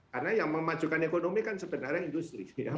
karena yang memajukan ekonomi kan sebenarnya industri ya